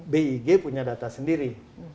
big punya data sendiri